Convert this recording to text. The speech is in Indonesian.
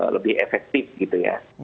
lebih efektif gitu ya